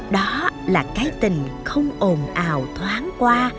đó là cái tình không ồn ào thoáng qua